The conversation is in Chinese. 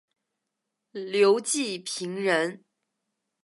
刘季平人。